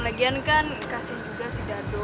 megan kan kasihan juga si dadu